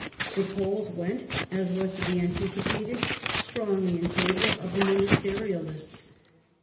The polls went, as was to be anticipated, strongly in favour of the Ministerialists.